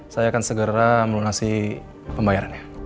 saya akan segera melunasi pembayarannya